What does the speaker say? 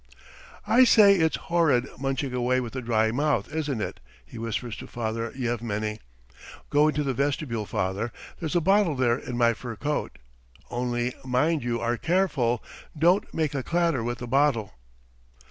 "I say, it's horrid munching away with a dry mouth, isn't it?" he whispers to Father Yevmeny. "Go into the vestibule, Father. There's a bottle there in my fur coat. ... Only mind you are careful; don't make a clatter with the bottle."